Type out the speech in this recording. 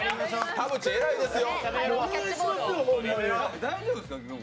田渕、偉いですよ。